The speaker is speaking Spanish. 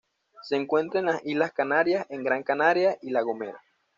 Se encuentra en las Islas Canarias en Gran Canaria y La Gomera.